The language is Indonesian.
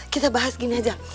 kita bahas gini aja